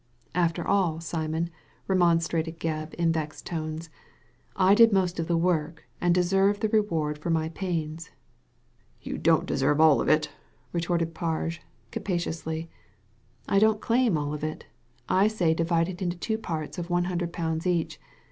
After all, Simon," remonstrated Gebb, in vexed tones, " I did most of the work and deserve the reward for my pains." "You don't deserve all of it," retorted Parge, captiously. '< I don't claim all of it I say divide it into two parts of one hundred pounds each.